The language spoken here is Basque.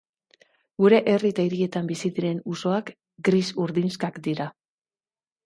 Gure herri eta hirietan bizi diren usoak gris-urdinxkak dira.